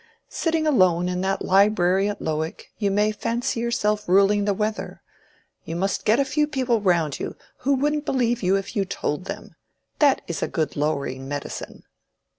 Sitting alone in that library at Lowick you may fancy yourself ruling the weather; you must get a few people round you who wouldn't believe you if you told them. That is a good lowering medicine."